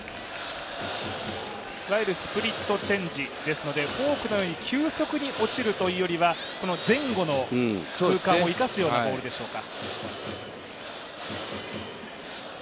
いわゆるスプリットチェンジですのでフォークのように急速に落ちるというよりは前後の空間を生かすようなボールでしょうか。